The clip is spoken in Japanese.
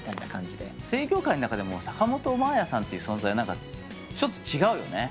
声優業界の中でも坂本真綾さんって存在はちょっと違うよね。